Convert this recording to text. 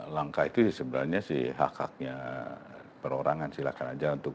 langkah itu sebenarnya hak haknya perorangan